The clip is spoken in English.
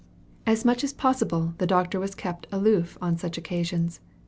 As much as possible, the doctor was kept aloof on such occasions.